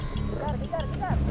dari tadi tak